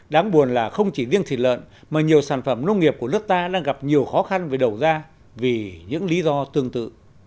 đáng buồn là không chỉ riêng thịt lợn mà nhiều sản phẩm nông nghiệp của nước ta đang gặp nhiều khó khăn về đầu ra vì những lý do tương tự